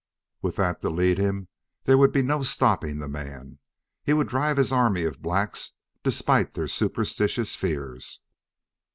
With that to lead him there would be no stopping the man: he would drive his army of blacks despite their superstitious fears.